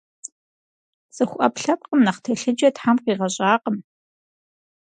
Цӏыху ӏэпкълъэпкъым нэхъ телъыджэ Тхьэм къигъэщӏакъым.